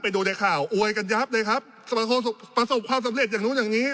ดูในข่าวอวยกันยับเลยครับประสบความสำเร็จอย่างนู้นอย่างนี้